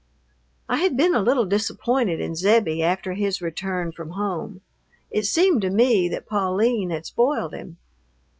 I had been a little disappointed in Zebbie after his return from home. It seemed to me that Pauline had spoiled him.